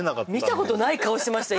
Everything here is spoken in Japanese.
見たことない顔してました